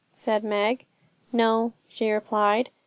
said Meg. 'No,' she replied.